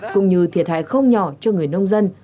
cũng như thiệt hại không nhỏ cho người nông dân